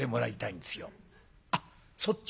「あっそっち？」。